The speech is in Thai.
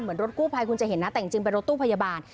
รถกู้ภัยคุณจะเห็นนะแต่จริงเป็นรถตู้พยาบาล